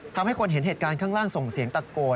ทำให้คนเห็นเหตุการณ์ข้างล่างส่งเสียงตะโกน